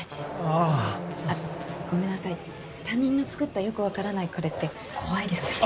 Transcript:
あぁ。あっごめんなさい他人の作ったよく分からないカレーって怖いですよね。